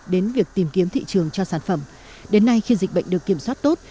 đến việc tìm kiếm thị trường cho sản phẩm đến nay khi dịch bệnh được kiểm soát tốt